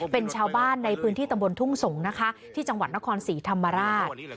เป็นชาวบ้านในพื้นที่ตำบลทุ่งสงศ์นะคะที่จังหวัดนครศรีธรรมราช